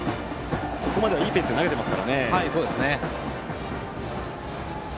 ここまではいいペースで投げています。